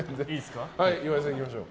岩井さん、いきましょう。